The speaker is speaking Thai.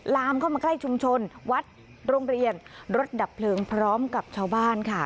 ลามเข้ามาใกล้ชุมชนวัดโรงเรียนรถดับเพลิงพร้อมกับชาวบ้านค่ะ